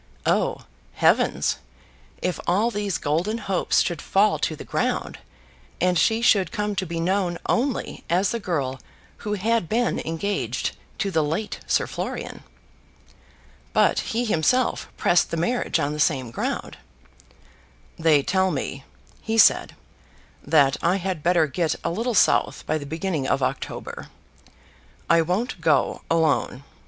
Oh, heavens! if all these golden hopes should fall to the ground, and she should come to be known only as the girl who had been engaged to the late Sir Florian! But he himself pressed the marriage on the same ground. "They tell me," he said, "that I had better get a little south by the beginning of October. I won't go alone.